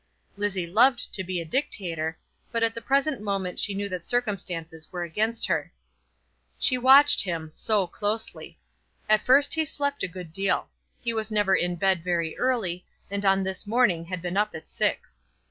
Lizzie loved to be a dictator; but at the present moment she knew that circumstances were against her. She watched him, so closely. At first he slept a good deal. He was never in bed very early, and on this morning had been up at six.